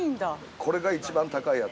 ◆これが一番高いやつ。